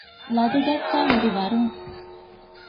ލަދުގަތްފައި ހުރިވަރުން